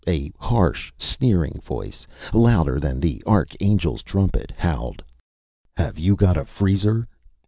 A harsh, sneering voice, louder than the arch angel's trumpet, howled: "Have you got a freezer?